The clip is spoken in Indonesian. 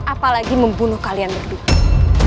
apalagi membunuh kalian berdua